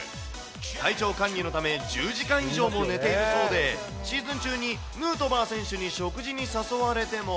体調管理のため、１０時間以上も寝ているそうで、シーズン中にヌートバー選手に食事に誘われても。